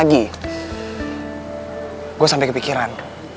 gue sampe kepikiran